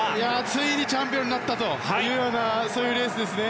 ついにチャンピオンになったというようなそういうレースですね。